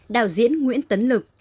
đạo diễn nguyễn tấn lực